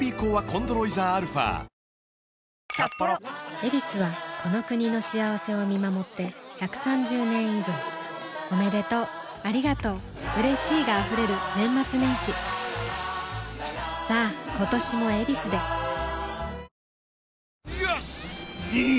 「ヱビス」はこの国の幸せを見守って１３０年以上おめでとうありがとううれしいが溢れる年末年始さあ今年も「ヱビス」でよしっ！